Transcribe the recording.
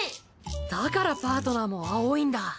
だからパートナーも青いんだ。